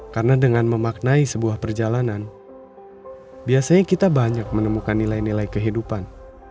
karena dengan memaknai sebuah perjalanan biasanya kita banyak menemukan nilai nilai kehidupan